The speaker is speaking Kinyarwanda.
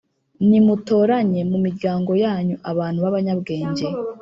Nimutoranye mu miryango yanyu abantu b abanyabwenge